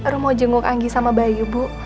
rum mau jenguk anggi sama bayu bu